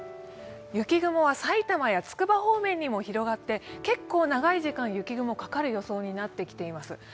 雪雲は埼玉や筑波方面にも広がって結構長い時間、雪雲がかかる予想になってきています。